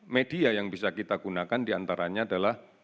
media yang bisa kita gunakan diantaranya adalah